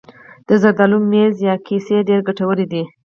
د زردالو ممیز یا قیسی ډیر ګټور دي.